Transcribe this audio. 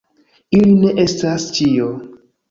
Ili ne estas ĉio.